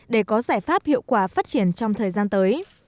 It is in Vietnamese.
để có giải pháp hiệu quả phát triển trong thời gian tới